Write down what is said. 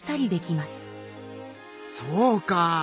そうか。